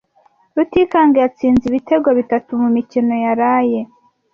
Rutikanga yatsinze ibitego bitatu mumikino yaraye.